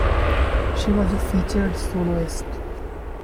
She was a featured soloist.